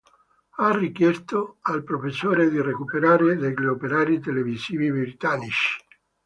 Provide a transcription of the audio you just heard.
Ha richiesto al professore di recuperare degli operatori televisivi britannici.